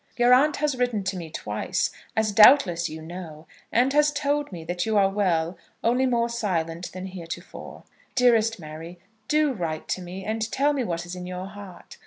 Your aunt has written to me twice, as doubtless you know, and has told me that you are well, only more silent than heretofore. Dearest Mary, do write to me, and tell me what is in your heart.